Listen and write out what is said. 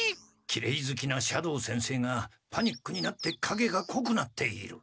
きれいずきな斜堂先生がパニックになってかげがこくなっている。